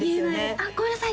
「あっごめんなさい！」